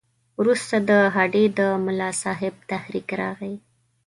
وروسته د هډې د ملاصاحب تحریک راغی.